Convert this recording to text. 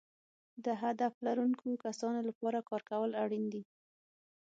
د هدف لرونکو کسانو لپاره کار کول اړین دي.